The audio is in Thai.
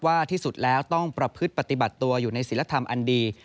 ที่สุดแล้วต้องประพฤติปฏิบัติตัวอยู่ในศิลธรรมอันดี